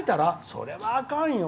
それはあかんよ。